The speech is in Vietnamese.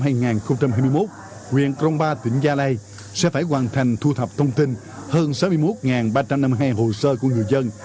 huyện krongpa tỉnh gia lai sẽ phải hoàn thành thu thập thông tin hơn sáu mươi một ba trăm năm mươi hai hồ sơ của người dân